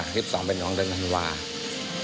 คลิป๒เป็นของเดือนธันวาส